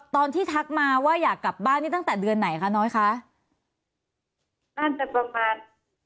ทักมาว่าอยากกลับบ้านนี่ตั้งแต่เดือนไหนคะน้อยคะน่าจะประมาณ